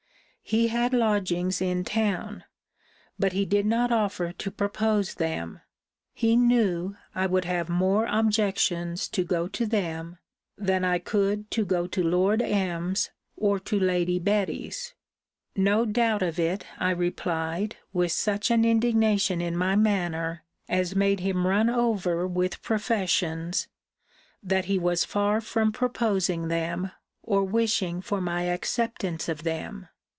He had lodgings in town; but he did not offer to propose them. He knew, I would have more objections to go to them, than I could to go to Lord M.'s, or to Lady Betty's. No doubt of it, I replied, with such an indignation in my manner, as made him run over with professions, that he was far from proposing them, or wishing for my acceptance of them.